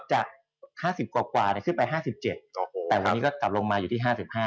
จาก๕๐กว่าขึ้นไป๕๗แต่วันนี้ก็กลับลงมาอยู่ที่๕๕